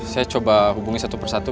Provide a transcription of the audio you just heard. saya coba hubungi satu persatu